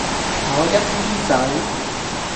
我一於走